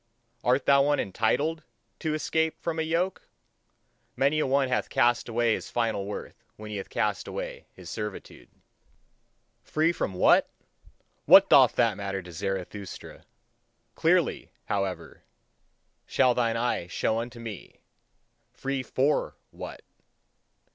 Art thou one ENTITLED to escape from a yoke? Many a one hath cast away his final worth when he hath cast away his servitude. Free from what? What doth that matter to Zarathustra! Clearly, however, shall thine eye show unto me: free FOR WHAT?